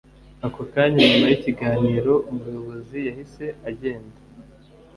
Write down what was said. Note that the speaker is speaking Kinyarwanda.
ako kanya nyuma yikiganiro umuyobozi yahise agenda